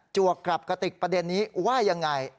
วกกับกระติกประเด็นนี้ว่ายังไง